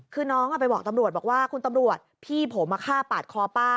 คือน้องไปบอกตำรวจบอกว่าคุณตำรวจพี่ผมมาฆ่าปาดคอป้า